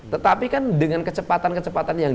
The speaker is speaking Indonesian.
tetapi kan dengan kecepatan kecepatan yang